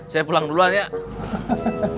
saya pulang dulu aja deh